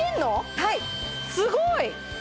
はいわすごい！